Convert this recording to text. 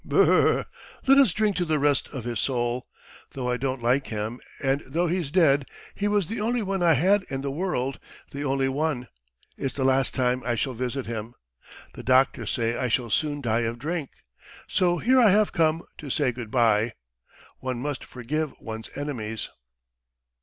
... B r r r. ... Let us drink to the rest of his soul! Though I don't like him and though he's dead, he was the only one I had in the world, the only one. It's the last time I shall visit him. ... The doctors say I shall soon die of drink, so here I have come to say good bye. One must forgive one's enemies."